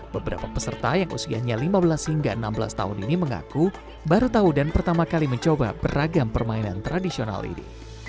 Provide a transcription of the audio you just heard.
beberapa peserta yang usianya lima belas hingga enam belas tahun ini mengaku baru tahu dan pertama kali mencoba beragam permainan tradisional ini